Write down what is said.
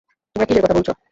তোমারা কীসের কথা বলছ?